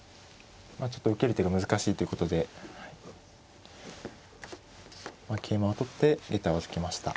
ちょっと受ける手が難しいということで桂馬を取ってげたを預けました。